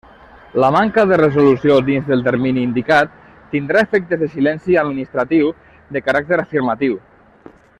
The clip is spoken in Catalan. La manca de resolució dins el termini indicat tindrà efectes de silenci administratiu de caràcter afirmatiu.